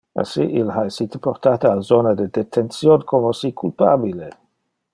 Assi ille ha essite portate al zona de detention, como si culpabile.